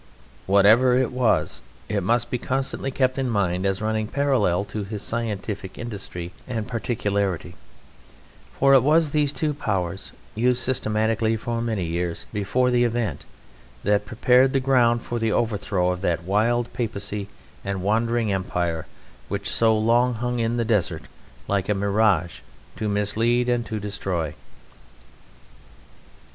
Whatever it was, it must be constantly kept in mind as running parallel to his scientific industry and particularity; for it was these two powers, used systematically for many years before the event, that prepared the ground for the overthrow of that wild papacy and wandering empire which so long hung in the desert, like a mirage to mislead and to destroy.